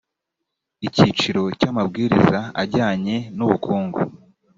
icyiciro cya amabwiriza ajyanye n ubukungu